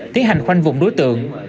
tiến hành khoanh vùng đối tượng